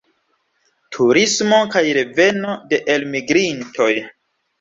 Turismo kaj reveno de elmigrintoj.